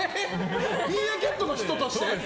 ミーアキャットの人として？